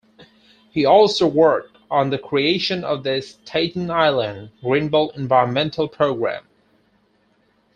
He also worked on the creation of the Staten Island Greenbelt environmental program.